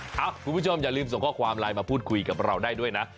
คุณผู้ชมอย่าลืมส่งข้อความไลน์มาพูดคุยกับเราได้ด้วยนะ